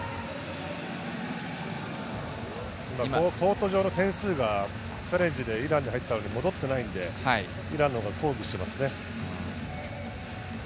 コート上の点数がチャレンジでイランに入ったのに戻っていないのでイランが抗議していますね。